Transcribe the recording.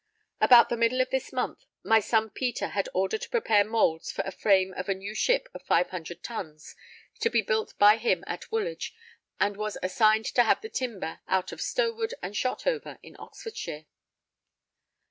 About the middle of this month, my son Peter had order to prepare moulds for a frame of a new ship of 500 tons, to be built by him at Woolwich, and was assigned to have the timber out of Stowood and Shotover in Oxfordshire.